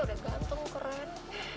udah ganteng keren